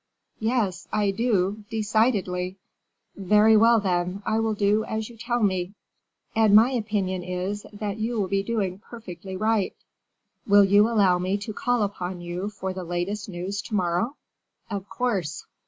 "Yes, I do, decidedly." "Very well, then, I will do as you tell me." "And my opinion is, that you will be doing perfectly right. Will you allow me to call upon you for the latest news to morrow?" "Of course."